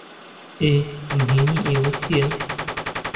ئێ، نھێنیی ئێوە چییە؟